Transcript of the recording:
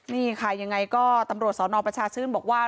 นี่ค่ะยังไงก็ตำรวจสนประชาชื่นบอกว่า